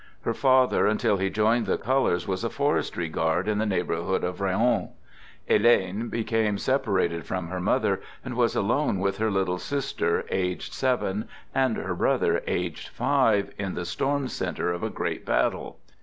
Her father, until he joined the colors, was a forestry guard in the neighborhood of Raon. Helene became separated from her mother, and was alone with her little sis ter, aged seven, and her brother, aged five, in the storm center of a great battle.